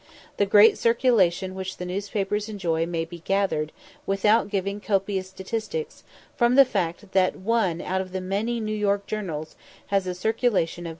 The great circulation which the newspapers enjoy may be gathered, without giving copious statistics, from the fact that one out of the many New York journals has a circulation of 187,000 copies.